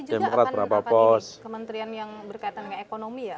kementerian yang berkaitan dengan ekonomi ya